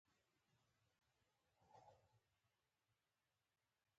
دوی ورو ورو له خپلو اولادونو لرې کېږي.